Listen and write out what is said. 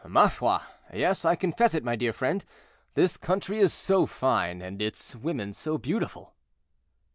"Ma foi! yes; I confess it, my dear friend. This country is so fine, and its women so beautiful."